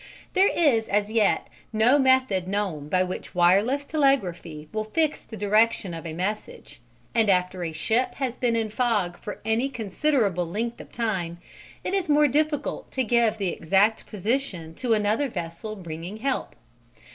There is as yet no method known by which wireless telegraphy will fix the direction of a message; and after a ship has been in fog for any considerable length of time it is more difficult to give the exact position to another vessel bringing help.